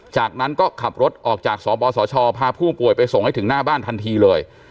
จากนั้นก็ขับรถออกจากสปสชพาผู้ป่วยไปส่งให้ถึงหน้าบ้านทันทีเลย